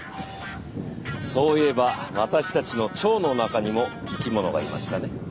そういえば私たちの腸の中にも生き物がいましたね。